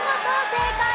正解。